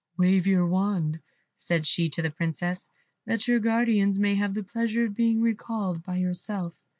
"Wave your wand," said she to the Princess, "that your guardians may have the pleasure of being recalled by yourself."